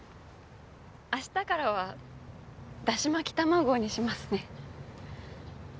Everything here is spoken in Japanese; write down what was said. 明日からはだし巻き卵にしますね。